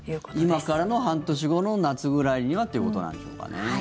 今からの半年後の夏ぐらいにはということなんでしょうかね。